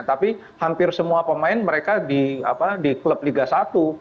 tapi hampir semua pemain mereka di klub liga satu